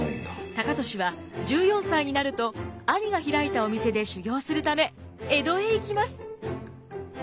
高利は１４歳になると兄が開いたお店で修行するため江戸へ行きます。